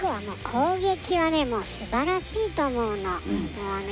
攻撃はすばらしいと思うの。